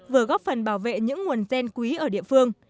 vừa góp phần bảo vệ những nguồn gen quý ở địa phương